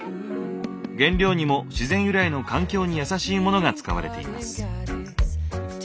原料にも自然由来の環境に優しいものが使われています。